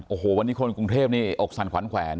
โอ้โหวันนี้คนกรุงเทพนี่อกสั่นขวัญแขวน